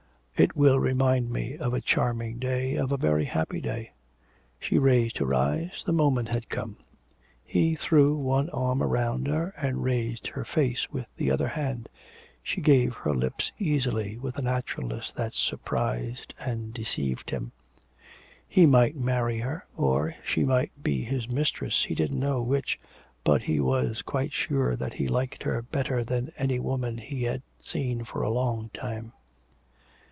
It will remind me of a charming day, of a very happy day.' She raised her eyes. The moment had come. He threw one arm round her, and raised her face with the other hand. She gave her lips easily, with a naturalness that surprised and deceived him. He might marry her, or she might be his mistress, he didn't know which, but he was quite sure that he liked her better than any woman he had seen for a long time.